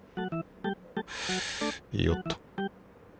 よっと。